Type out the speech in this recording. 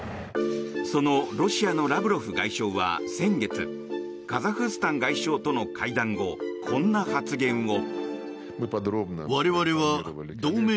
そのロシアのラブロフ外相は先月カザフスタン外相との会談後こんな発言を。